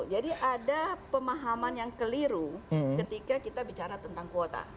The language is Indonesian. jadi ada pemahaman yang keliru ketika kita bicara tentang kuota